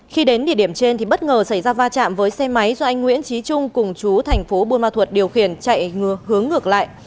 khi đến địa điểm trên thì bất ngờ xảy ra va chạm với xe máy do anh nguyễn trí trung cùng chú thành phố buôn ma thuật điều khiển chạy hướng ngược lại